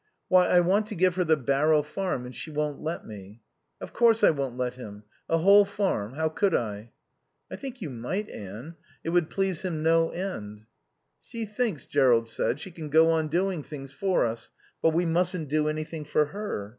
"Why, I want to give her the Barrow Farm and she won't let me." "Of course I won't let him. A whole farm. How could I?" "I think you might, Anne. It would please him no end." "She thinks," Jerrold said, "she can go on doing things for us, but we mustn't do anything for her.